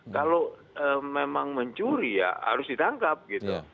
kalau memang mencuri ya harus ditangkap gitu